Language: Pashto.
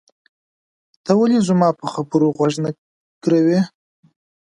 ته ولې زما په خبرو غوږ نه ګروې؟